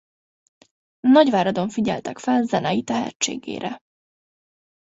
Nagyváradon figyeltek fel zenei tehetségére.